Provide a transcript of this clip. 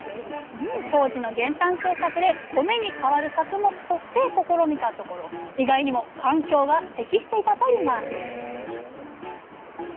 当時の減反政策で米にかわる作物として試みたところ意外にも環境が適していたといいます